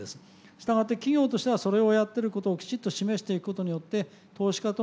従って企業としてはそれをやってることをきちっと示していくことによって投資家との会話がしやすくなる。